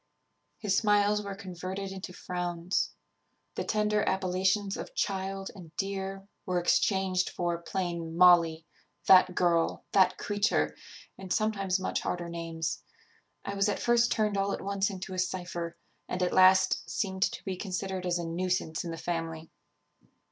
His smiles were converted into frowns; the tender appellations of child and dear were exchanged for plain Molly, that girl, that creature, and sometimes much harder names. I was at first turned all at once into a cypher, and at last seemed to be considered as a nuisance in the family.